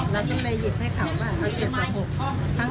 เราก็เลยหยิบให้เขาว่าอาเจ็ดสองหก